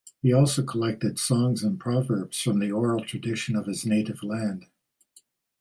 He also collected songs and proverbs from the oral tradition of his native land.